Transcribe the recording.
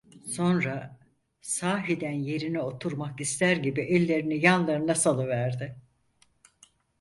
Sonra, sahiden yerine oturmak ister gibi ellerini yanlarına salıverdi.